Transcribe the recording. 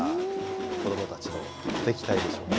子どもたちの鼓笛隊でしょうかね。